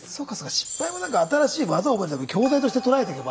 失敗も新しい技を覚えるための教材として捉えていけば。